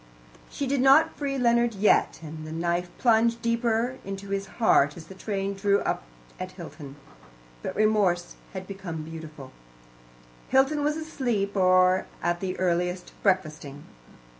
She did not free Leonard yet, and the knife plunged deeper into his heart as the train drew up at Hilton. But remorse had become beautiful. Hilton was asleep, or at the earliest, breakfasting.